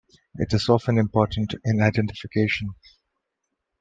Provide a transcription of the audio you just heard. It is often important in identification.